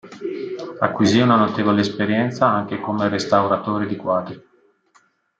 Acquisì una notevole esperienza anche come restauratore di quadri.